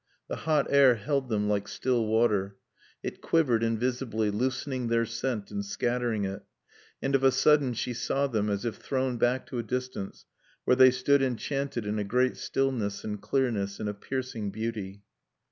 The hot air held them like still water. It quivered invisibly, loosening their scent and scattering it. And of a sudden she saw them as if thrown back to a distance where they stood enchanted in a great stillness and clearness and a piercing beauty.